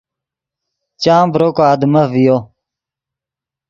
چام ڤرو کو آدمف ڤیو